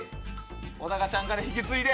小高ちゃんから引き継いで。